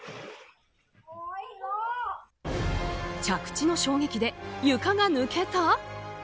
着地の衝撃で床が抜けた？